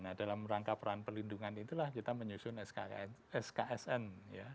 nah dalam rangka peran perlindungan itulah kita menyusun sksn